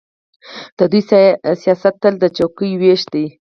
د دوی سیاست تل د څوکۍو وېش دی.